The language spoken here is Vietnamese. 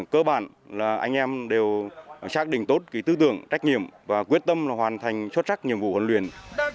cơ bản là anh em đều xác định tốt tư tưởng trách nhiệm và quyết tâm hoàn thành xuất sắc nhiệm vụ huấn luyện